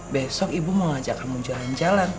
besok ibu mau ngajak kamu jalan jalan